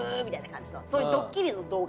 みたいな感じのそういう。